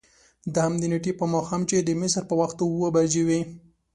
د همدې نېټې په ماښام چې د مصر په وخت اوه بجې وې.